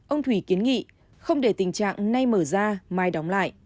ông thủy kiến nghị không để tình trạng nay mở ra mai đóng lại